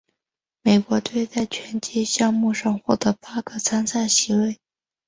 美国队在拳击项目上获得八个参赛席位。